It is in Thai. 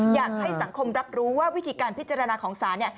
อยากให้สังคมรับรู้ว่าวิธีการพิจารณาของศาลเนี่ย